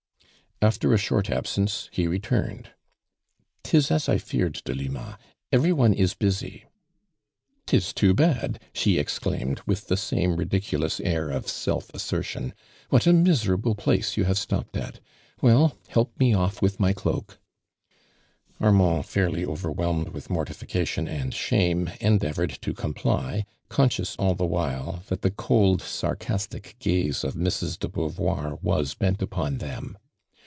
After a short absence he returned. " 'Tis as I feared, Delima, every one is busy." " 'Tis too bad," she exclaimed with the same ridiculous air of self assertion. " What a miserable place you have stopped at ! Well, help me off with my cloak I" Armand fairly overwhelmed with morti fk»ition and shame, endeavored to comply, conscious all the while, that the cold sar castic gaze of Mrs. de Beauvoir was bent upon them.